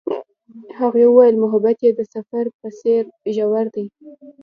هغې وویل محبت یې د سفر په څېر ژور دی.